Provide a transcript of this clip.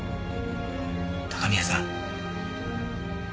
高宮さん。